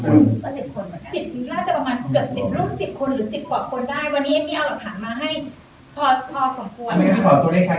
ก็ประมาณสิบรูปสิบคนซื้อนี่ไม่เอาถามมาให้ความที่ประสาท